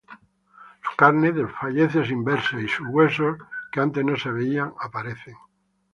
Su carne desfallece sin verse, Y sus huesos, que antes no se veían, aparecen.